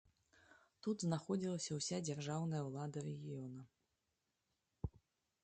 Тут знаходзілася ўся дзяржаўная ўлада рэгіёна.